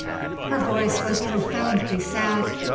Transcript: _" Her voice was profoundly sad.